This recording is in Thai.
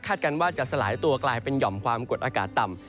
การว่าจะสลายตัวกลายเป็นหย่อมความกดอากาศต่ำ